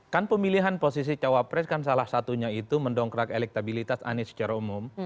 kan pemilihan posisi cawapres kan salah satunya itu mendongkrak elektabilitas anies secara umum